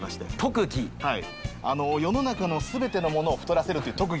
世の中の全てのものを太らせるという特技があるんです。